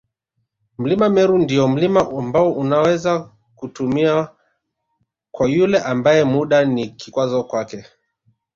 Mlima Meru ndio mlima ambao unaweza kutumiwa kwa yule ambae muda ni kikwazo kwake